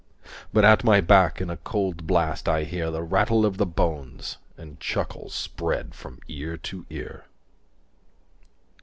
But at my back in a cold blast I hear 185 The rattle of the bones, and chuckle spread from ear to ear.